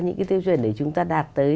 cái tiêu chuẩn để chúng ta đạt tới